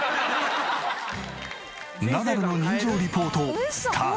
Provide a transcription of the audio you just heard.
ナダルの人情リポートスタート。